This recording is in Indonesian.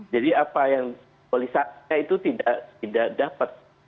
jadi apa yang polisatnya itu tidak dapat